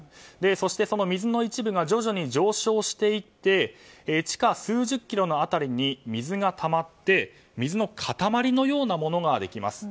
そして、その水の一部が徐々に上昇していって地下数十キロの辺りに水がたまって水の塊のようなものができます。